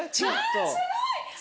・あすごい！